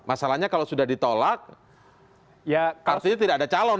maksudnya kalau sudah ditolak artinya tidak ada calon